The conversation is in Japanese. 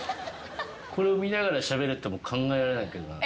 これを見ながらしゃべるって考えられないけどな。